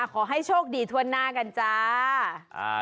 ขอให้โชคดีทั่วหน้ากันจ้า